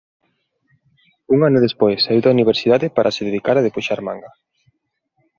Un ano despois saíu da universidade para se dedicar a debuxar manga.